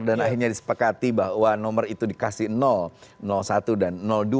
dan akhirnya disepakati bahwa nomor itu dikasih satu dan dua